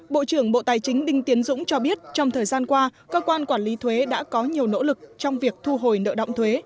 bộ trưởng bộ tài chính đinh tiến dũng cho biết trong thời gian qua cơ quan quản lý thuế đã có nhiều nỗ lực trong việc thu hồi nợ động thuế